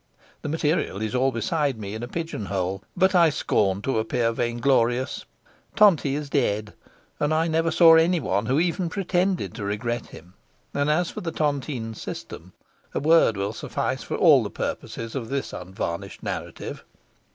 The material is all beside me in a pigeon hole, but I scorn to appear vainglorious. Tonti is dead, and I never saw anyone who even pretended to regret him; and, as for the tontine system, a word will suffice for all the purposes of this unvarnished narrative.